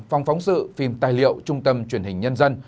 phòng phóng sự phim tài liệu trung tâm truyền hình nhân dân